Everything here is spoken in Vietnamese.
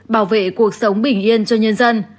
bảo vệ cuộc sống bình yên cho nhân dân